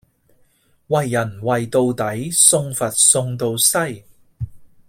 為人為到底，送佛送到西。